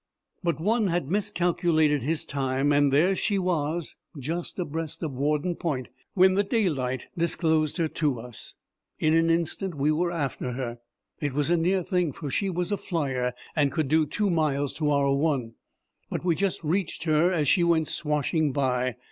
But one had miscalculated his time, and there she was, just abreast of Warden Point, when the daylight disclosed her to us. In an instant we were after her. It was a near thing, for she was a flier, and could do two miles to our one; but we just reached her as she went swashing by.